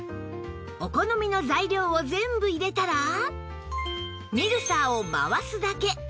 お好みの材料を全部入れたらミルサーを回すだけ